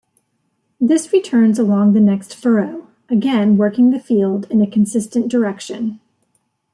This returns along the next furrow, again working the field in a consistent direction.